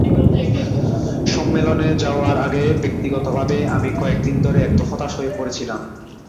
সম্মেলনে যাওয়ার আগে ব্যক্তিগতভাবে আমি কয়েক দিন ধরে একটু হতাশ হয়ে পড়েছিলাম।